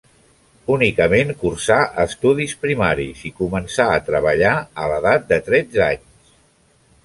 Únicament cursà estudis primaris i començà a treballar a l'edat de tretze anys.